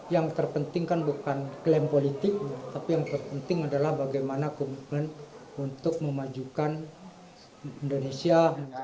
yang terpenting kan bukan klaim politik tapi yang terpenting adalah bagaimana komitmen untuk memajukan indonesia